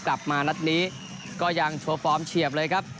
กลับมานัดนี้ก็ยังโชว์ฟอร์มเฉียบเลยครับ